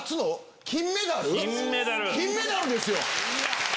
金メダルですよ！